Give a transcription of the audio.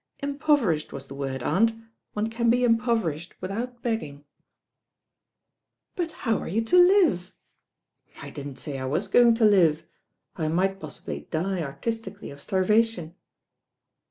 ' Impoverished was the word, aunt. One can be impoverished without begging." LADY DREWnr SFBAKS HER MIND 105 "But how are you to live?" "I didn't say I was going to live. I might pos •ibly die artistically of starvation."